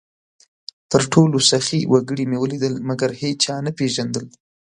تر ټولو سخي وګړي مې ولیدل؛ مګر هېچا نه پېژندل،